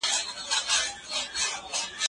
علت سته.